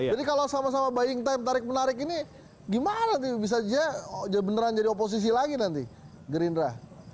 jadi kalau sama sama buying time tarik menarik ini gimana bisa beneran jadi oposisi lagi nanti gerindra